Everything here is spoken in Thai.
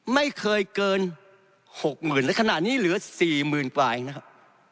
ไม่เคยเกิน๖๐๐๐๐และขนาดนี้เหลือ๔๐๐๐๐กว่าอีกนะครับ